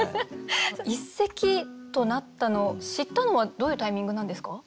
一席となったのを知ったのはどういうタイミングなんですか？